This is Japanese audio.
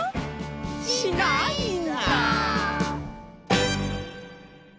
しないんだ！